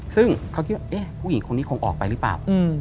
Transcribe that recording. ซึ่งเขาคิดว่าผู้หญิงคนนี้คงออกไปหรือเปล่า